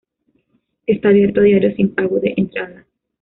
Está abierto a diario sin pago de entrada.